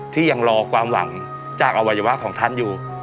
ที่ยังรอความหวังจากอวัยวะของท่านอยู่